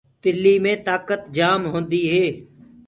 تِلينٚ مي تآڪت جآم هوندي هي۔